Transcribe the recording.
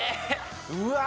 うわ！